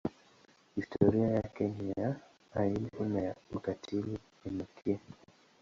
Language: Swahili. Historia yake ni ya aibu na ya ukatili kupindukia.